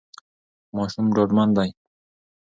ماشوم ډاډمن دی.